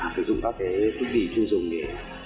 sử dụng các cái thiết bị chuyên dùng để